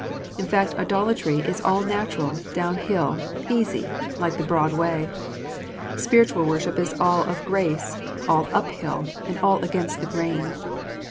In fact, idolatry is all natural, down hill, easy, like the broad way. Spiritual worship is all of grace, all uphill, and all against the grain.